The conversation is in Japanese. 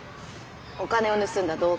お金を盗んだ動機。